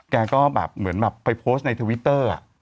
แกก็แบบเหมือนแบบไปโพสต์ในทวิตเตอร์